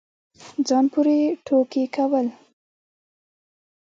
ځان پورې ټوقې كول